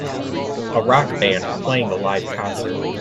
A rock band playing a live concert.